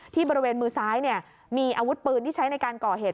ที่บริเวณมือซ้ายมีอาวุธปืนที่ใช้ในการก่อเหตุ